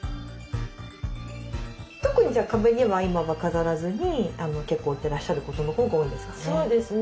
特に壁には今は飾らずに置いてらっしゃることのほうが多いんですかね？